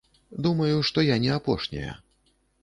Думаю, што я не апошняя.